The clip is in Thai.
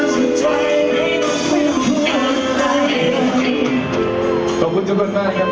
ฉันจะรักคุณทุกคนมากครับผม